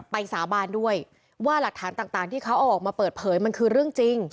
สาบานด้วยว่าหลักฐานต่างที่เขาเอาออกมาเปิดเผยมันคือเรื่องจริง